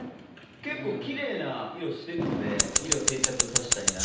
結構奇麗な色してるんで色定着させたいな。